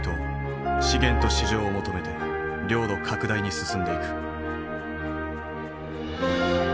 資源と市場を求めて領土拡大に進んでいく。